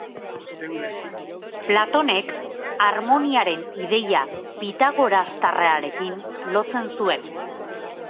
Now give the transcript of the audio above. Platonek, harmoniaren ideia pitagorastarrarekin lotzen zuen.